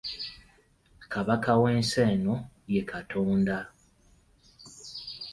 Kabaka w’ensi eno ye Katonda.